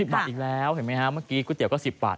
บาทอีกแล้วเห็นไหมฮะเมื่อกี้ก๋วเตี๋ก็๑๐บาท